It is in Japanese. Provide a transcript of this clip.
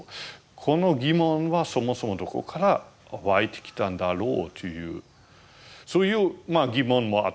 この疑問はそもそもどこからわいてきたんだろうというそういう疑問もあったんですね。